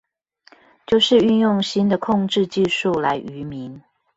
就是運用新的控制技術來愚民